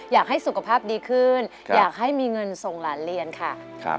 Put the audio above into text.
อยากให้สุขภาพดีขึ้นอยากให้มีเงินส่งหลานเรียนค่ะ